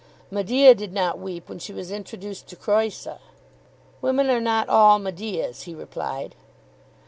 "Medea did not weep when she was introduced to Creusa." "Women are not all Medeas," he replied.